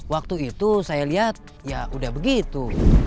waktu itu saya lihat ya udah begitu